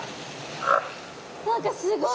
何かすごい。